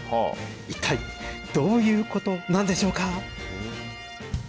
いったいどういうことなんでしょうか。